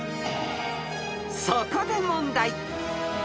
［そこで問題］